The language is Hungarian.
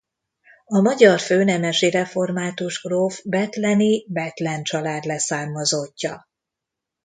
A magyar főnemesi református gróf bethleni Bethlen család leszármazottja.